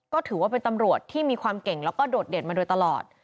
ก็ถือว่าเป็นตำรวจที่มีความเก่งแล้วก็โดดเด่นมาโดยตลอด